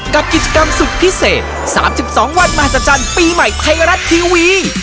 กับกิจกรรมสุดพิเศษ๓๒วันมหัศจรรย์ปีใหม่ไทยรัฐทีวี